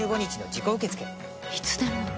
いつでも？